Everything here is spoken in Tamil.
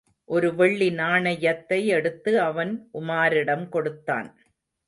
ஒரு வெள்ளி நாணயத்தை எடுத்து அவன் உமாரிடம் கொடுத்தான்.